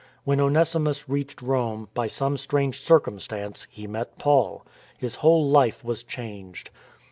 When Onesimus reached Rome, by some strange cir cumstance, he met Paul. His whole life was changed.